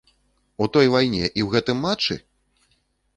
У той вайне і ў гэтым матчы?!!